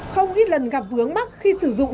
không ít lần gặp vướng mắt khi sử dụng